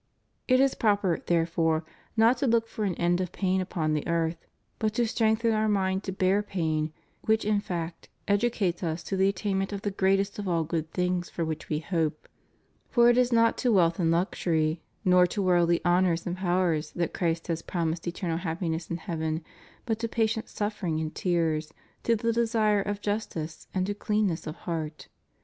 469 It is proper, therefore, not to look for an end of pain upon the earth, but to strengthen our mind to bear pain, which, in fact, educates us to the attainment of the greatest of all good things for which we hope. For it is not to wealth and luxur}^, nor to worldly honors and powers that Christ has promised eternal happiness in heaven, but to patient suffering and tears, to the desire of justice and to cleanness of heart.